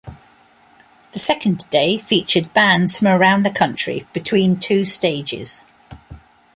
The second day featured bands from around the country between two stages.